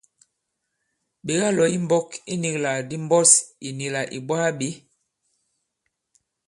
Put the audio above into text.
Ɓè kalɔ̀ i mbɔ̄k i nīglàk ndi mbɔs ì nì là ì bwaa bě.